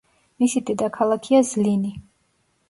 მისი დედაქალაქია ზლინი.